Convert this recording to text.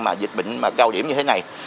mà dịch bệnh mà cao điểm như thế này